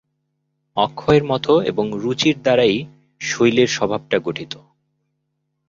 অক্ষয়ের মত এবং রুচির দ্বারাই শৈলের স্বভাবটা গঠিত।